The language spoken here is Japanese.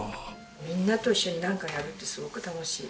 みんなと一緒になんかやるってすごく楽しい。